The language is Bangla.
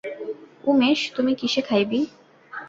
উমেশ, তুই কিসে খাইবি?